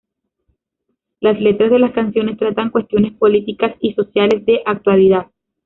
Las letras de las canciones tratan cuestiones políticas y sociales de actualidad.